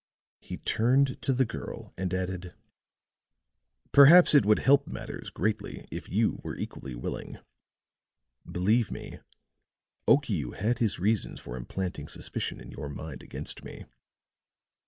He turned to the girl and added: "Perhaps it would help matters greatly if you were equally willing. Believe me, Okiu had his reasons for implanting suspicion in your mind against me.